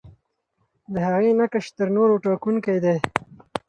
د هغې نقش تر نورو ټاکونکی دی.